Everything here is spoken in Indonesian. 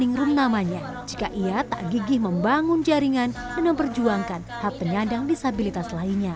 khususnya di tanjung bias yang bisa ramah untuk penyandang disabilitas